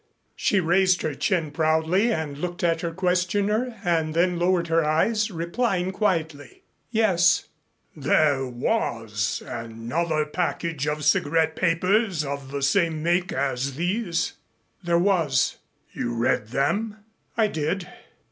She raised her chin proudly and looked at her questioner and then lowered her eyes, replying quietly: "Yes." "There was another package of cigarette papers of the same make as these?" "There was." "You read them?" "I did."